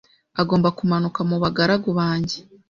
Agomba kumanuka mu bagaragu banjye